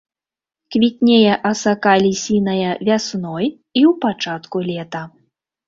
Квітнее асака лісіная вясной і ў пачатку лета.